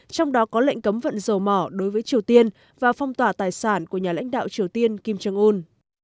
trong đó có lệnh cấm vận dầu mỏ đối với triều tiên và phong tỏa tài sản của nhà lãnh đạo triều tiên kim jong un